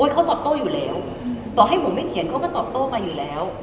เขาตอบโต้อยู่แล้วต่อให้บุ๋มไม่เขียนเขาก็ตอบโต้มาอยู่แล้ว